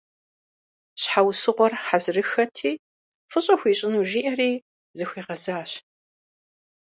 Щхьэусыгъуэр хьэзырыххэти, фӏыщӏэ хуищӏыну жиӏэри, зыхуигъэзащ.